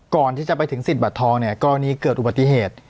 ก่อนที่จะไปถึงสิทธิบัตรทองเนี่ยกรณีเกิดอุบัติเหตุ